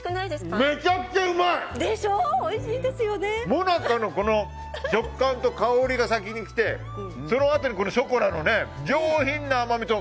モナカの食感と香りが先に来てそのあとにショコラの上品な甘みと。